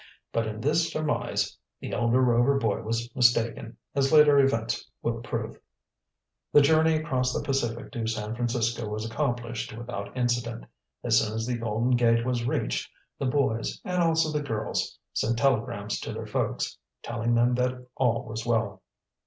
But in this surmise the elder Rover boy was mistaken, as later events will prove. The journey across the Pacific to San Francisco was accomplished without incident. As soon as the Golden Gate was reached the boys, and also the girls, sent telegrams to their folks, telling them that all was well.